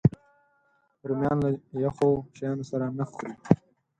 رومیان له یخو شیانو سره نه خوري